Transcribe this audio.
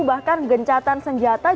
bahkan gencatan senjata juga